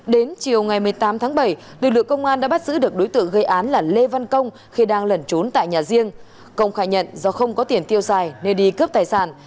đến chiều ngày một mươi tám tháng bảy lực lượng công an đã bắt giữ được đối tượng gây án là lê văn công khi đang lẩn trốn tại nhà riêng công khai nhận do không có tiền tiêu xài nên đi cướp tài sản